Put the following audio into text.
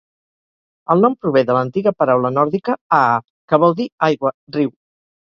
El nom prové de l'antiga paraula nòrdica "aa", que vol dir "aigua, riu".